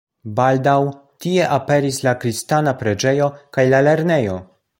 Baldaŭ tie aperis la kristana preĝejo kaj la lernejo.